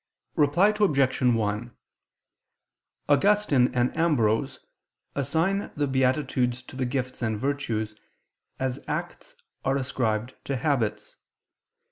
Reply Obj. 1: Augustine and Ambrose assign the beatitudes to the gifts and virtues, as acts are ascribed to habits.